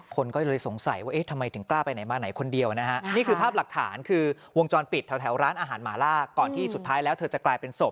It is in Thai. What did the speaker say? คนก็เลยสงสัยว่าเอ๊ะทำไมถึงกล้าไปไหนมาไหนคนเดียวนะฮะนี่คือภาพหลักฐานคือวงจรปิดแถวร้านอาหารหมาล่าก่อนที่สุดท้ายแล้วเธอจะกลายเป็นศพ